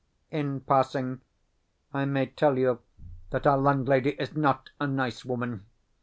In passing, I may tell you that our landlady is NOT a nice woman.